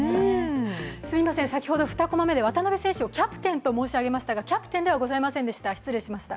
先ほど２コマ目で渡邊選手をキャプテンと申し上げましたが、キャプテンではございませんでした、失礼しました。